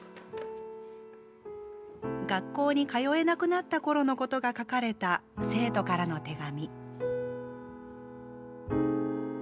学校に通えなくなったころのことが書かれた生徒からの手紙。